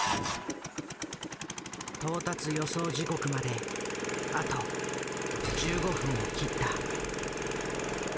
到達予想時刻まであと１５分を切った。